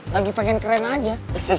lagi pengen keren aja